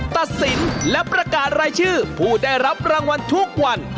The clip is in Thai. ตัดสินและประกาศรายชื่อผู้ได้รับรางวัลทุกวัน